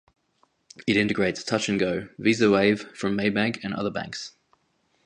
It integrates Touch 'n Go, Visa Wave from Maybank and other banks.